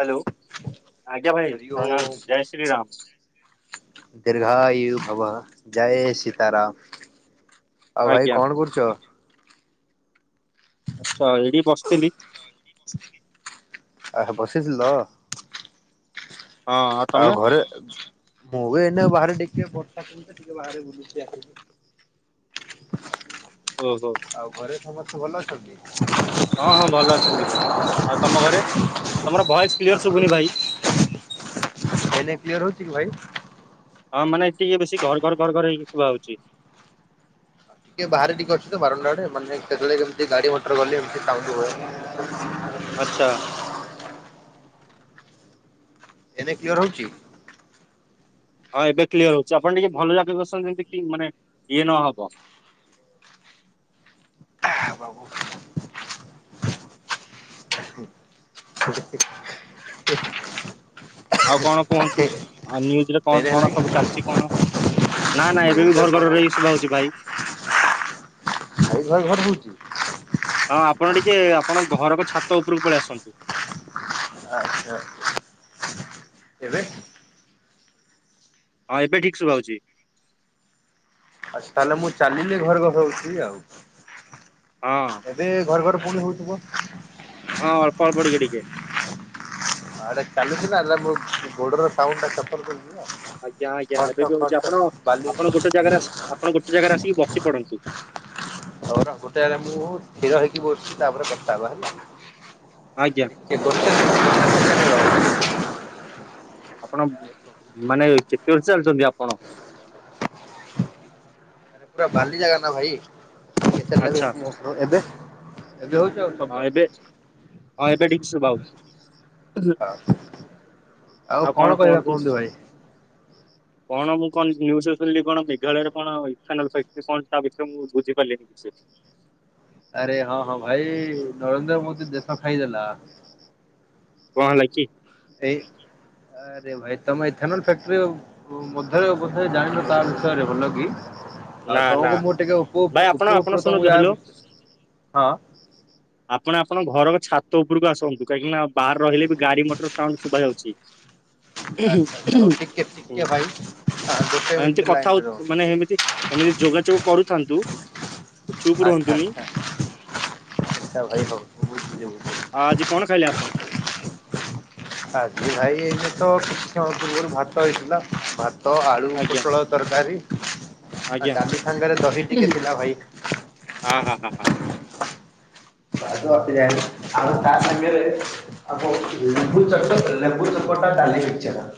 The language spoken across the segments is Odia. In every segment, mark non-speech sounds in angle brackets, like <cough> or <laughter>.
ହ୍ୟାଲୋ ଆଜ୍ଞା ଭାଇ ପ୍ରଣାମ ଜୟ ଶ୍ରୀ ରାମ। ଦୀର୍ଘାୟୁ ଭବ ଜୟ ସୀତାରାମ। ଆଉ ଭାଇ ଆଜ୍ଞା କଣ କରୁଛ? ଆଛା ଏଇଠି ବସିଥିଲି। ଆ ବସିଥିଲ ତ ହଁ ଆଉ ତମେ ମୁଁ ବି ଏଇନା ବାହାରେ ଟିକେ ବର୍ଷ ତ ଟିକେ ବାହାରେ ବୁଲୁଛି ଆଉ ଓହୋ। ଆଉ ଘରେ ସମସ୍ତେ ଭଲ ଅଛନ୍ତି। ହଁ ହଁ ଭଲ ଅଛନ୍ତି ଭାଇ ଆଉ ତମ ଘରେ ତମର ଭଏସ କ୍ଲିୟର ଶୁଭୁନି ଭାଇ। ଏବେ କ୍ଲିୟର ହଉଛି କି ଭାଇ। ହଁ ମାନେ ଟିକେ ବେଶୀ ଘର ଘର ଘର ହେଇକି ଶୁଭା ହଉଛି। ଟିକେ ବାହାରେ ଟିକେ ଅଛି ତ ବାରଣ୍ଡାଆଡେ ମାନେ କେତେବେଳେ କେମିତି ଗାଡି ମଟର ଗଲେ ଏମିତି ସାଉଣ୍ଡ ହୁଏ। ଆଚ୍ଛା। ଏନେ କ୍ଲିୟର ହଉଛି। ହଁ ଏବେ କ୍ଲିୟର ହଉଛି ଆପଣ ଟିକେ ଭଲ ଜାଗାକୁ ଆସନ୍ତୁ ଏମିତିକି ମାନେ ଇଏ ନହବ। ହଁ ବାବୁ। <unintelligible> ଆଉ କଣ କୁହନ୍ତୁ ଆଉ ନିୟୁଜରେ କଣ ଏଇନେ ହେଲା କଣ କି? ସବୁ ଚାଲିଛି କଣ ନା ନାଇ ଏବେ ବି ନ୍ୟୁଜରେ ଘର କଣ ଘରରେ ଶୁବା ହଉଛି ଭାଇ। ଭାଇ ଭାଇ ଘର ହଉଛି। ହଁ ଆପଣ ଟିକେ ଆପଣଙ୍କ ଘରଟ ଛାତ ଉପରକୁ ପଳେଇ ଆସନ୍ତୁ। ଆଚ୍ଛା। ଏବେ। ହଁ ଏବେ ଠିକ୍ ଶୁଭାହଉଛି। ଆଛା ତାହେଲେ ମୁଁ ଚାଲିଲି ଘର ଘସ ହଉଛି ଆଉ। ହଁ। ଏବେ ଘର ଘର ପୁଣି ହଉଥିବ। ହଁ ଅଳ୍ପ ଅଳ୍ପ ଟିକେ ଟିକେ। ହଁ ଏଟା ଚାଲୁଚୀନା ହେଲା ମୁ ଗୋଡର ସାଉଣ୍ଡ ଟା ଚପଲ କରିଛି ନା। ଆଜ୍ଞା ଆଜ୍ଞା ଏବେ ଖଟ ବି ହଉଛି ଖଟ ଆପଣ ବାଲି ଆପଣ ଗୋଟେ ଜାଗାରେ ଆପଣ ଗୋଟେ ଜାଗାରେ ଆସିକି ବସି ପଡନ୍ତୁ। ହଉ ରହ ଗୋଟେ ଜାଗାରେ ମୁଁ ସ୍ଥିର ହେଇକି ବସିଛି ତାପରେ କଥା ହେବା ହେଲା। ଆଜ୍ଞା। <unintelligible> ଆପଣ ମାନେ କେତେ ବେଳେ ଚାଲିଛନ୍ତି ଆପଣ। ଆରେ ପୁରା ବାଲି ଜାଗା ନା ଭାଇତ ଆଚ୍ଛା <unintelligible> ଏବେ ଏବେ ହଉଚି। ହଁ ଏବେ ହଁ ଏବେ ଠିକ ଶୁଭାଯାଉଛି। ହଁ ଆଉ କଣ କୁହନ୍ତୁ। କଣ ମୁଁ କ କଣ ନିୟୁଜରୁ ଶୁଣିଲି କଣ ମେଘାଳୟରେ କଣ ଇଥାନୋଲ ଫ୍ୟାକ୍ଟ୍ରି କଣ ତା ବିଷୟରେ ମୁଁ ବୁଝିପାରିଲିନି। <inaudible> ଆରେ ହଁ ହଁ ଭାଇ ନରେନ୍ଦ୍ର ମୋଦି ଦେଶ ଖାଇଦେଲା। କଣ ହେଲା କି? ଏଇ ଆରେ ଭାଇ ତମେ ଇଥନୋଲ ଫ୍ୟାକ୍ଟ୍ରି ମଧ୍ୟରେ ବୋଧେ ଜାଣିଲ ତା ବିଷୟରେ ଭଲ କି। ନା ଆଉ ନା ତମକୁ ମୁଁ ଟିକେ ଭାଇ ଉପରୁ ଆପଣ ଆପଣ ଉପରୁ ତମକୁ ଶୁଣନ୍ତୁ ହ୍ୟାଲୋ ୟା ହଁ ଆପଣ ଆପଣଙ୍କ ଘରର ଛାତ ଉପରକୁ ଆସନ୍ତୁ କାହିଁକି ନା ବାହାରେ ରହିଲେ ବି ଗାଡି ମଟର ସାଉଣ୍ଡ ଶୁଭାଯାଉଛି। <inaudible> ହୁଁ ଆଚ୍ଛା ଆଚ୍ଛା ହଉ ଟିକେ ହୁଁ ଟିକେ ଭାଇ ଗୋଟେ ଏମିତି ମିନିଟ୍ କଥା ଲାଇନରେ ହଉ ରହୁଛି ମାନେ ଠିକ୍ ଏମିତି ଏମିତି ଯୋଗାଯୋଗ କରୁଥାନ୍ତୁ ଚୁପ ରୁହନ୍ତୁନି। ସୋ ଭାଇ ଭ ବହୁତ ଆ ଆଜି କଣ ଖାଇଲେ ଆପଣ? ଆଜି ଭାଇ ଏଇନେ ତ କିଛି ସମୟ ପୂର୍ବରୁ ଭାତ ହେଇଥିଲା ଭାତ ଆଳୁ ଆଜ୍ଞା ପୋଟଳ ତରକାରୀ ଆଉ ଆଜ୍ଞା ଡାଲି ସାଙ୍ଗରେ ଦହି ଟିକେ ଥିଲା ଭାଇ। ହଁ ହଁ ହଁ ହଁ। <unintelligible> ଆଉଁ ତା ସାଙ୍ଗ ରେ ଆଉଁ କଁ ଲେମ୍ବୁ ଚଟ ଲେମ୍ବୁ ଚକଟା ଡାଲି ମିକ୍ସଚର।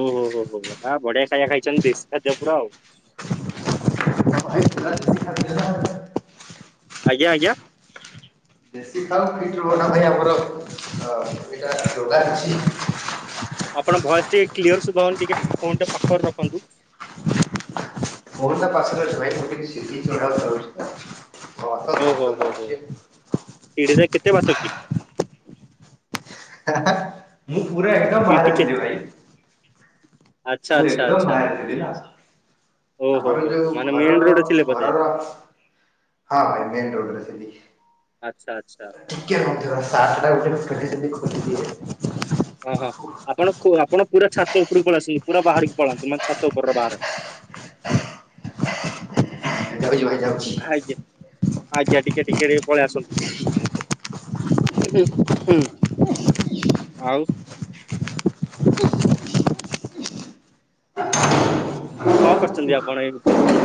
ଓହୋ ହୋ ହୋ ହଁ ବଢିଆ ଖାଇବା ଖାଇଛନ୍ତି ଦେଶୀ ଖାଦ୍ୟ ପୁରା ଆଉ। <unintelligible> ଆଜ୍ଞ ଆଜ୍ଞା? ଦେଶୀ ଖାଓ ଫିଟ ରୁହ ନା ଭାଇ ଆମର ଅ ଏଇଟା ଯୋଗା ଅଛି। ଆପଣ ଭଏସ୍ଟିକେ କ୍ଲିୟର ସୁଭାହଉନି ଟିକେ ଫୋନ ଟା ପାଖରେ ରଖନ୍ତୁ। ଫୋନ ଟା ପାଖରେ ଅଛି ଭାଇ ମୁଁ ଟିକେ ସିଡି ଗୁଡା ଚାଢୁଚି ତ। ଓହୋ ହୋ ହୋ। ସିଢିରେ କେତେ ବାଟ କି <unintelligible> ମୁଁ ପୁରା ଏକଦମ୍ ସିଢି କେ ବାହାରଥିଲି ଭାଇ। ଆଚ୍ଛା ମୁଁ ଆଚ୍ଛା ଏକଦମ୍ ଆଚ୍ଛା ବାହାର ଥିଲି ନା। ଓହୋ ଆମର ହୋ ହୋ ଯୋଉ ମାନେ ମେନ ଘରର ରୋଡରେ ଥିଲେ ବୋଧେ ଘରର ହଁ ଭାଇ ମେନ୍ ରୋଡ ର ଥିଲି। ଆଚ୍ଛା ଆଚ୍ଛା। ଟିକେ ରହିଥିବ ସାର୍ଟ ଟା ପିନ୍ଧିଥିଲି ଖୋଲିଦିଏ। ଓହୋ ଆପଣ କୁ ଆପଣ ପୁରା ଛାତ ଉପରକୁ ପଳେଇଆସନ୍ତୁ ପୁରା ବାହାରକୁ ପଳାନ୍ତିୁ ମାନେ ଛାତ ଉପରର ବାହାର। ଯାଉଚି ଭାଇ ଯାଉଚି। ଆଜ୍ଞା ଆଜ୍ଞା ଟିକେ ଟିକେ ଟିକେ ପଳେଇ ଆସନ୍ତୁ। ହୁଁ ହୁଁ ଆଉ। କଣ କରଚନ୍ତି ଆପଣ ଏମିତି?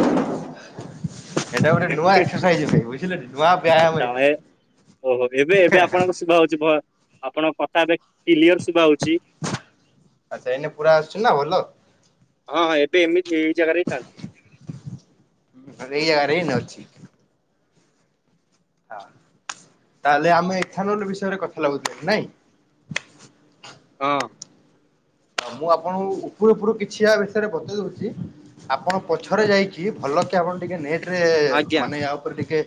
ଏଇଟା ଗୋଟେ ନୂଆ ଏକ୍ସୋସାଇଜ୍ ଭାଇ ବୁଝିଲେ ନୂଆ ବ୍ୟାୟାମ ଆଚ୍ଛା ଏଇଟା। ଏ ଓହୋ ଏବେ ଏବେ ଆପଣଙ୍କର ସୁୁଭା ହଉଚି ଭ ଆପଣଙ୍କ କଥା ଏବେ କିଲିଅର ସୁୁଭା ହଉଚି। ଆଚ୍ଛା ଏଇନେ ପୁରା ଆସୁଚି ନା ଭଲ? ହଁ ହଁ ଏବେ ଏମିତି ଏଇ ଜାଗାରେ ହିଁ ଚାଲିଚି। ଆରେ <unintelligible> ଅଛି। ହଁ ତାହେଲେ ଆମେ ଏଥାନଲ୍ ବିଷୟରେ କଥା ଲାଗୁଥିଲେ ନାଇଁ? ହଁ। ଅ ମୁଁ ଆପଣଙ୍କୁ ଉପରୁ ଉପରୁ କିଛି ଆ ବିଷୟରେ ବତେଇ ଦଉଚି। ଆପଣ ପଛରେ ଯାଇକି ଭଲ କି ଆପଣ ଟିକେ ନେଟ୍ ରେ ଆଜ୍ଞା ମାନେ ୟା ଉପରେ ଟିକେ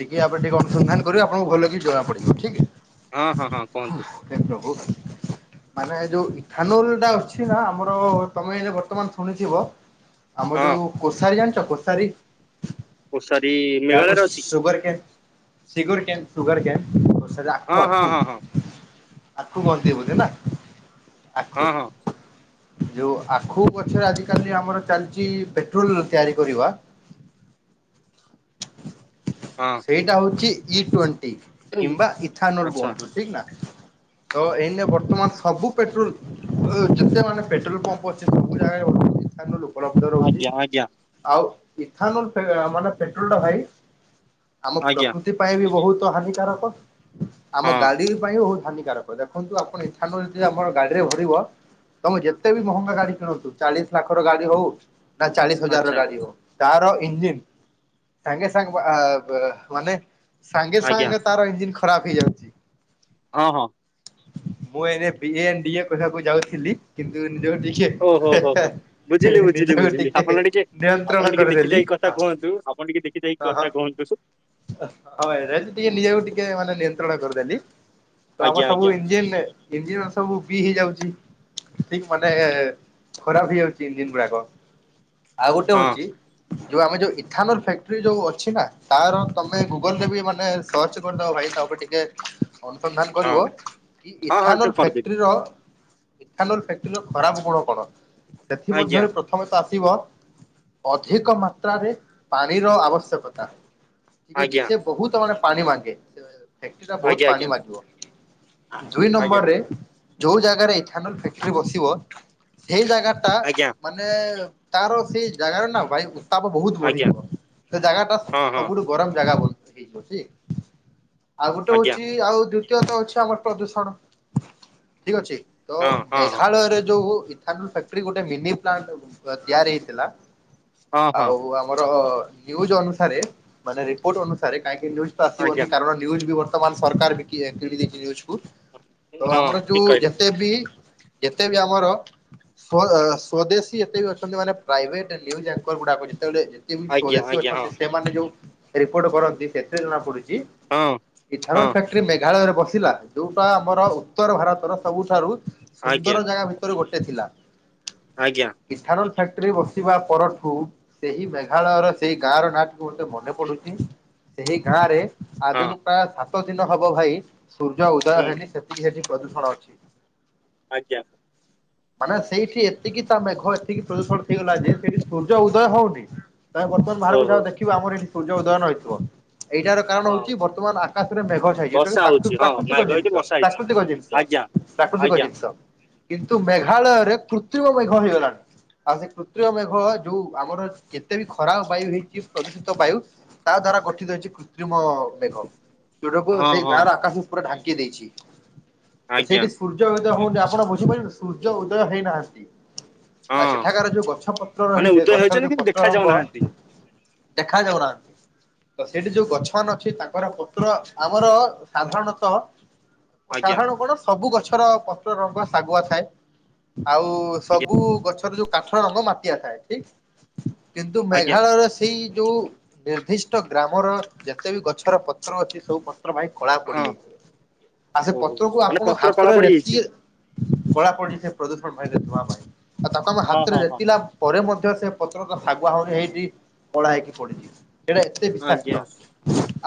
ଟିକେ ଆପରେ ଟିକେ ଅନୁସନ୍ଧାନ କରିବେ ଆପଣଙ୍କୁ ଜଣାପଡ଼ିବ ଠିକ ହେ। ହଁ ହଁ ହଁ କୁହନ୍ତୁ। ହେ ପ୍ରଭୁ ମାନେ ଏ ଯୋଉ <unintelligible> ଟା ଅଛି ନା ଆମର ତମେ ଏ ବର୍ତମାନ ଶୁଣିିଥିବ ଆମର ହଁ ଯୋଉ କୋସାରୀ ଜାଣିଚକୋଷାରୀ ଓ ସରି ଯାହାକୁ ମେଘାଳୟରେ ଅଛି କି? ସୁଗର କେ ସୁଗର କେନ୍ ସୁୁଗର ସେଟା ହଁ ଆଖୁ ହଁ ଆଖୁ ହଁ ହଁ ଆଖୁ ବନ୍ତି ବୁଧେ ନା ଆଖୁ ହଁ ହଁ ଯୋଉ ଆଖୁ ଗଛରେ ଆଜିିକାଲି ଆମର ଚାଲିଚି ପେଟ୍ରୋଲ ତିଆରି କରିବା। ହଁ ସେଇଟା ହଉଛି ଇ ଟେଣ୍ଟି କିମ୍ବା ଇଥାନୋଲ ଆଚ୍ଛା ବୁଅନ୍ତୁ ଠିକ ନା। ତ ଏଇନେ ବର୍ତ୍ତମାନ ସବୁ ପେଟ୍ରୋଲ ଓ ଯେତେ ମାନେ ପେଟ୍ରୋଲ ପମ୍ପ ଅଛି ସବୁ ଜାଗରେ ଥାନାଲୁ ଉପଲବ୍ଧ ରହୁଚି ଆଜ୍ଞା ଆଜ୍ଞା ଆଉ ଇଥାନୋଲ ପେ ମାନେ ପେଟ୍ରୋଲ ଟା ଭାଇ ଆମ ଆଜ୍ଞା ପ୍ରକୃତି ପାଇଁ ବି ବହୁତ ହାନିକାରକ ଆମ ହଁ ଗାଡି ବି ପାଇଁ ବହୁତ ହାନିକାରକ। ଦେଖନ୍ତୁ ଆପଣ ଏଇଥାନ ଯଦି ଆମର ଗାଡିରେ ଭରିବ, ତମେ ଯେତେ ବି ମହଙ୍ଗା ଗାଡି କିଣନ୍ତୁ ଚାଳିଶ ଲାକ୍ଷର ଗାଡି ହଉ ନା ଚାଳିଶ ହଜାରର ଆଚ୍ଛା ଗାଡି ହଉ। ତାର ଇଞ୍ଜିିନ୍ ସାଙ୍ଗେ ସାଙ୍ଗେ ମାନେ ସାଙ୍ଗେ ଆଜ୍ଞା ସାଙ୍ଗେ ତାର ଇଞ୍ଜିିନ୍ ଖରାପ ହେଇଯାଉଛି। ହଁ ହଁ। ମୁଁ ଏ ବିଏ ଆଣ୍ଡ୍ ଡିଏ ପଢିବାକୁ ଯାଉଥିଲି କିନ୍ତୁ ଟିକେ ଓହୋ ହେ ହୋ ହୋ ହେ ବୁଝିଲି ବୁଝିଲି ନିଜକୁ ବୁଝିଲି। ଆପଣ ଟିକେ ନିୟନ୍ତ୍ରଣ ଆପଣ ଟିକେ ଦେଖି କରିଦେଲି ଚାହିଁକି ହଁ କଥା କୁହନ୍ତୁ ଆପଣ ଟିକେ ଦେ ଦେଖି ଚାହିଁ କଥାା କୁହନ୍ତୁ। ରୟଲି ଟିକେ ନିଜକୁ ଟିକେ ମାନେ ନିୟନ୍ତ୍ରଣ କରିଦେଲି। ଆଜ୍ଞା ଆଜ୍ଞା। ଇଞ୍ଜିନିୟର। ଇଞ୍ଜିନିୟର ସବୁ ବି ହେଇଯାଉଚି। ଠିକ୍ ମାନେ ଖରାପ ହେଇଯାଉଛି ଇଞ୍ଜିନ୍ ଗୁଡାକ। ଆଉ ଗୋଟେ ହଁ ହଉଚି ଯୋଉ ଆମେ ଯୋଉ ଇଥାନଲ୍ ଫ୍ୟାକ୍ଟ୍ରି ଯୋଉ ଅଛି ନା ତାର ତମେ ଗୁଗଲରେ ବି ମାନେ ସର୍ଚ୍ଚ କରିଦବ ଭାଇ। ତା ପରେ ଟିକେ ଅନୁସନ୍ଧାନ କରିବ ହଁ କି ହଁ ହଁ ଟିକେ ଇଥାନଲ କରିଦେବି ଫୈକ୍ଟରୀର ଇଥାନଲ ଫୈକ୍ଟରୀର ଖରାପ ଗୁଣ କଣ? ସେଥି ଆଜ୍ଞା ମଧ୍ୟରୁ ପ୍ର ପ୍ରଥମ ତ ଆସିବ ଅଧିକ ମାତ୍ରାରେ ପାଣିର ଆବଶ୍ୟକତା। ଠିକ୍ ଅଛି। ଆଜ୍ଞା ସେ ବହୁତ ମାନେ ପାଣି ମାଗେ। ଫୈକ୍ଟରୀଟା ଆଜ୍ଞା ବହୁତ ପାଣି ମାଗିବ। ଦୁଇ ଆଜ୍ଞା ନମ୍ବରରେ ଯୋଉ ଜାଗାରେ ଇଥାନଲ ଫୈକ୍ଟରୀ ବସିବ ସେଇ ଜାଗା ଟା ଆଜ୍ଞା ମାନେ ତାର ସେଇ ଜାଗାରେ ନା ବାୟୁ। ଉତ୍ତାପ ବହୁତ ଆଜ୍ଞା ଆଜ୍ଞା ବଢିଯିବ। ସେ ଜାଗାଟା ହଁ ହଁ ସବୁଠୁ ଗରମ ଜାଗା ବହୁତ ହେଇଯାଉଛି। ଆଉ ଗୋଟେ ଆଜ୍ଞା ହଉଛି ଆଉ ଦ୍ଵିତୀୟତଃ ଅଛି ଆମର ପ୍ରଦୂଷଣ ଠିକ୍ ଅଛି। ତ ହଁ ହଁ ହଁ ମେଘାଳୟରେ ଯୋଉ ଇଥାନଲ ଫ୍ୟାକ୍ଟ୍ରି ଗୋଟେ ମିନି ପ୍ଲାଣ୍ଟ ତିଆରି ହେଇଥିଲା। ହଁ ହଁ ଆଉ ଆମର ନିୟୁଜ୍ ଅନୁସାରେ ମାନେ ରିପୋର୍ଟ ଅନୁସାରେ କାହିଁକି ନ୍ୟୁଜ୍ ତ ଆସିବ ହିଁ ଆଜ୍ଞା କାରଣ ନ୍ୟୁଜ୍ ବି ବର୍ତ୍ତମାନ ସରକାର ବି କିଣି ଦେଇଚି ନ୍ୟୁଜକୁ। ତ ହଁ ଆମର ଠିକ ଯୋଉ କହିଲେ ଏତେ ବି ଯେତେ ବି ଆମର ସ୍ଵ-ସ୍ଵଦେଶୀ ଏତେ ବି ଅଛନ୍ତି ମାନେ ପ୍ରାଇଭେଟ୍ ନ୍ୟୁଜ୍ ଆଙ୍କର ଗୁଡାକ ଯେତେବେଳେ ଆଜ୍ଞା ସ୍ଵଦେଶୀ ଆଜ୍ଞା ହଁ ଅଛନ୍ତି ସେମାନେ ଯୋଉ ରିପୋର୍ଟ କରନ୍ତି ସେଥିରେ ଜଣାପଡୁଛି। ହଁ। ହଁ ଇଥାନଲ ଫ୍ୟାକ୍ଟ୍ରି ମେଘାଳୟରେ ବସିଲା ଯୋଉଟା ଆମର ଉତ୍ତର ଭାରତର ସବୁଠାରୁ ଆଜ୍ଞା ସୁନ୍ଦର ଜାଗା ଭିତରୁ ଗୋଟେ ଥିଲା। ଆଜ୍ଞା। ଇଥାନଲ ଫ୍ୟାକ୍ଟ୍ରି ବସିବା ପରଠୁ ସେହି ମେଘାଳୟର ସେଇ ଗାଁର ନାଁଟି ଗୋଟେ ମନେ ପଡୁଛି। ସେହି ଗାଁରେ ହଁ ଆଜିକୁ ପ୍ରାୟ ସାତ ଦିନ ହବ ଭାଇ ସୂର୍ଯ୍ୟ ଉଦୟ ହୁଁ ହେଇନି ସେତିକି ସେଠି ପ୍ରଦୂଷଣ ଅଛି। ଆଜ୍ଞା। ମାନେ ସେଇଠି ଏତିକି ତା ମେଘ ଏତିକି ପ୍ରଦୂଷଣ ହେଇଗଲା ଯେ ସେଇଠି ସୂର୍ଯ୍ୟ ଉଦୟ ହଉନି। ତମେ ବର୍ତ୍ତମାନ ବାହାରକୁ ଓହୋ ଯାଅ ଦେଖିବ ଆମର ଏଇଠି ସୂର୍ଯ୍ୟ ଉଦୟ ନ ହେଇଥିବ। ଏଇଟାର କାରଣ ହଁ ହଉଛି ବର୍ତ୍ତମାନ ଆକାଶରେ ମେଘ ଛାଇ। ଯେଉଟା ବର୍ଷା କି ପ୍ରା ହଉଛି ହଁ ମାଇ ପ୍ରାକୃତିକ କହିଛି ଜିନିଷ ବର୍ଷା ହେଇଛି ପ୍ରାକୃତିକ ଜିନିଷ ଆଜ୍ଞା ପ୍ରାକୃତିକ ଆଜ୍ଞା ଜିନିଷ। କିନ୍ତୁ ମେଘାଳୟରେ କୃତ୍ରିମ ମେଘ ହେଇଗଲାଣି। ଆଉ ସେ କୃତ୍ରିୟ ମେଘ ଯୋଉ ଆମର ଯେତେ ବି ଖରାପ ବାୟୁ ହେଇଛି ପ୍ରଦୂଷିତ ବାୟୁ ତା ଦ୍ଵାରା ଗଠିତ ହେଇଛି କୃତ୍ରିମ ମେଘ। ଯଉଟାକୁ ହଁ ସେଇ ହଁ ଗାଁର ଆକାଶକୁ ପୁରା ଢାଙ୍କି ଦେଇଛି ତ ଆଜ୍ଞା ସେଇଠି ସୂର୍ଯ୍ୟ ଉଦୟ ହଉନି ଆପଣ ବୁଝିପାରିବେ ସୂର୍ଯ୍ୟ ଉଦୟ ହେଇନାହାନ୍ତି। ଆଉ ହଁ ସେଠାକାର ଯୋଉ ଗଛ ପତ୍ର ମାନେ ରହିଛି ଉଦୟ ଗଛର ହେଇଛନ୍ତି ଯୋଉ କିନ୍ତୁ ପତ୍ର ଦେଖା ରଙ୍ଗ ଯାଉନାହାନ୍ତି ଦେଖା ଯାଉନାହାନ୍ତି ତ ସେଇଠି ଯୋଉ ଗଛ ମାନେ ଅଛି ତାଙ୍କର ପତ୍ର ଆମର ସାଧାରଣ ଆଜ୍ଞା ସାଧାରଣ କଣ ସବୁ ଗଛର ପତ୍ର ରଙ୍ଗ ଶାଗୁଆ ଥାଏ। ଆଉ ଆଜ୍ଞା ସବୁ ଗଛର ଯୋଉ କାଠ ରଙ୍ଗ ମାଟିଆ ଥାଏ ଠିକ୍ କିନ୍ତୁ ଆଜ୍ଞା ମେଘାଳୟର ସେଇ ଯୋଉ ନିର୍ଦ୍ଦିଷ୍ଟ ଗ୍ରାମର ଯେତେ ବି ଗଛର ପତ୍ର ଅଛି ସବୁ ଭାଇ କଳା ହଁ ପଡ଼ିଯାଇଛି ଆଉ ସେ ଓହୋ ପତ୍ରକୁ ମାନେ ଆପଣ ପତ୍ର କଳା ହାତରେ ପଡି ରେତିି ଯାଇଛି ପୋଡ଼ା ପୋଡ଼ି ପ୍ରଦୂଷଣ ଭାଇ ଆ ତାପା ହଁ ହଁ ହଁ ହାତରେତିିଲା ପରେ ମଧ୍ୟ ସେ ପତ୍ର ତ ଶାଗୁଆ ଆହୁରି ହେଇକି କଳା ହେଇକି ପଡ଼ିଛିି। ସେଇଟା ଏତେ ଆଜ୍ଞା ବିଷାକ୍ତ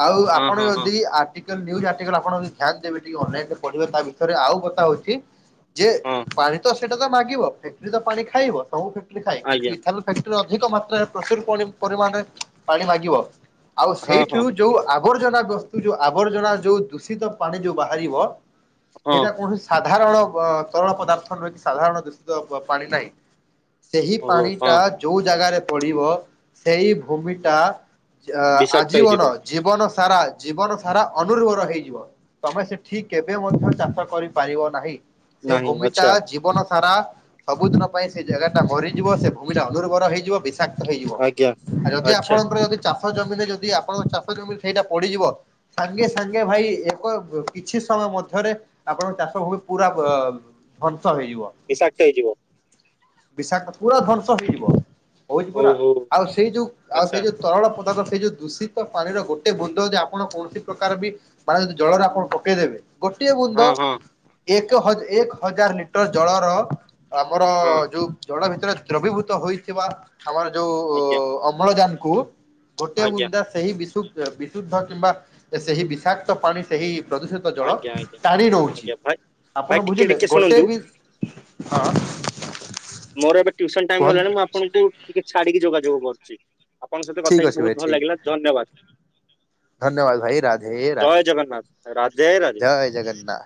ଆଉ ହଁ ଆପଣ ହଁ ହଁ ଯଦି ଆର୍ଟିକଲ ନିଉସ୍ ଆର୍ଟିକଲ ଆପଣ ଧ୍ୟାନ ଦେବେ ଟିକେ ଅନଲାଇନ୍ ରେ ପଢ଼ିବେ ତା ବିଷୟରେ ଆଉ କଥା ହଉଛି ଯେ ହଁ ପାରିତ ସେଇଟା ତ ମାଗିବ ଫଟି ତ ପାଣି ଖାଇବ ସବୁ ଫକ୍ଟି ଖାଇ କିନ୍ତୁ ଆଜ୍ଞା ଏ <inaudible> ଅଧିକ ମାତ୍ରାରେ ପ୍ରଚୁର ପରିମାଣରେ ପାଣି ମାଗିବ ଆଉ ହଁ ସେଇଠୁ ହଁ ହଁ ଯୋଉ ଆବର୍ଜନା ବସ୍ତୁ ଯୋଉ ଆବର୍ଜନା ଯଉ ଦୂଷିତ ପାଣି ଯଉ ବାହାରିବ ହଁ ସେଇଟା କୌଣସି ସାଧାରଣ ତରଳ ପଦାର୍ଥରୁ ସାଧାରଣ ଦୂଷିତ ପାଣି ନାହିଁ। ସେହି ଓହୋ ପାଣି ହଁ ଟା ଯଉ ଜାଗାରେ ପଡ଼ିବ ସେଇ ଭୂମିଟା ବିଷାକ୍ତ ହେଇଯିବ ଆଜୀବନ ଜୀବନ ସାରା ଜୀବନ ସାରା ଅନୁର୍ଭର ହେଇଯିବ। ତମେ ସେଠି କେବେ ମଧ୍ୟ ଚାଷ କରିପାରିବ ନାହିଁ। ସେ ନାହିଁ ଭୂମି ଟା ଆଚ୍ଛା ଜୀବନ ସାରା ସବୁଦିନ ପାଇଁ ସେ ଜାଗାଟା ମରିଯିବ ସେ ଭୂମିଟା ଅନୁର୍ବର ହେଇଯିବ ବିଷାକ୍ତ ହେଇଯିବ ଆଜ୍ଞା। ଯଦି ଆଚ୍ଛା ଆପଣଙ୍କର ଯଦି ଚାଷ ଜମିରେ ଯଦି ଆପଣଙ୍କ ଚାଷ ଜମିରେ ସେଇଟା ପଡ଼ିଯିବ ସାଙ୍ଗେ ସାଙ୍ଗେ ଭାଇ ଏକ କିଛି ସମୟ ମଧ୍ୟରେ ଆପଣଙ୍କ ଚାଷ ଭୂମି ପୁରା ଧଂସ ହେଇଯିବ। ବିଷାକ୍ତ ହେଇଯିବ। ବିଷାକ୍ତ ପୁରା ଧ୍ୱଂସ ହେଇଯିବ କହୁଛି ପରା ଓହୋ ଆଉ ସେଇ ଯଉ ଆଉ ସେଇ ଆଚ୍ଛା ଯଉ ତରଳ ପଦାର୍ଥ ସେଇ ଯେଉଁ ଦୂଷିତ ପାଣିର ଗୋଟେ ବୁନ୍ଦ ଯଦି ଆପଣ କୌଣସି ପ୍ରକାର ବି ମାନେ ଯଦି ଜଳରେ ଆପଣ ପକେଇଦେବେ ଗୋଟିଏ ବୁନ୍ଦ ହଁ ହଁ ଏକ ହଜ ଏକ ହଜାର ଲିଟର ଜଳର ଆମର ହଁ ଜଳ ଭିତରେ ଦ୍ରବୀଭୂତ ହୋଇଇଥିବା ଆମର ଯଉ ଆଜ୍ଞା ଅମ୍ଳଜାନ୍ କୁ ଗୋଟେ ଆଜ୍ଞା ବୁନ୍ଦା ସେହି ବିଶୁ ବିଶୁଦ୍ଧ କିମ୍ବା ସେହି ବିଷାକ୍ତ ପାଣି ସେହି ପ୍ରଦୂଷିତ ଜଳ ଆଜ୍ଞା ଆଜ୍ଞା ଟାଣି ନଉଛି ଆଜ୍ଞା ଭାଇ ଭାଇ ଆପଣ ଟିକେ ବୁଝିଲେ ଟିକେ ଗୋଟେ ଶୁଣନ୍ତୁ ବି ମୋର ଏବେ ଟ୍ୟୁସନ୍ ଟାଇମ୍ କୁହନ୍ତୁ ହେଲାଣି ମୁଁ ଆପଣଙ୍କୁ ଟିକେ ଛାଡିକି ଯୋଗାଯୋଗ କରୁଛି। ଆପଣଙ୍କ ସହିତ ଠିକ କଥା ହେଇକି ଅଛି ଭାଇ ବହୁତ ଭଲ ଠିକ ଲାଗିଲା ଧନ୍ୟବାଦ। ଧନ୍ୟବାଦ ଭାଇ ରାଧେ ଜୟ ରାଧେ ଜଗନ୍ନାଥ ରାଧେ ରାଧେ। ଜୟ ଜଗନ୍ନାଥ।